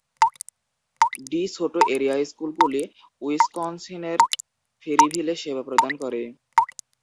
D Soto area স্কুলগুলি উইসকনসিনের ফেরিভিলে সেবা প্রদান করে।